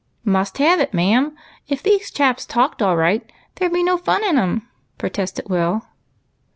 "Must have it, ma'am. If these chaps talked all right, there 'd be no fun in 'em," protested Will.